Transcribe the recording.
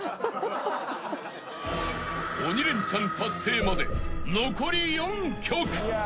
［鬼レンチャン達成まで残り４曲］